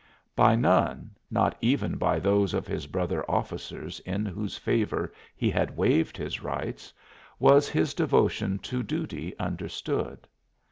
By none not even by those of his brother officers in whose favor he had waived his rights was his devotion to duty understood.